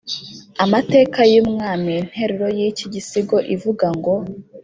amateka y’umwaminteruro y’iki gisigo ivuga ngo